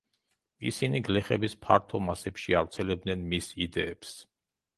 ისინი გლეხების ფართო მასებში ავრცელებდნენ მის იდეებს.